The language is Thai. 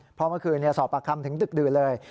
เพราะเมื่อคืนสอบปากคำถึงดึกดื่นเลย